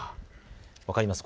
分かりますか。